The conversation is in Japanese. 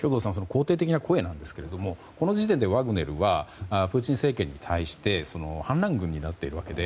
肯定的な声なんですけどもこの時点でワグネルはプーチン政権に対して反乱軍になっているわけで。